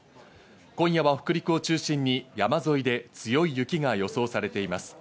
今夜は北陸を中心に山沿いで強い雪が予想されています。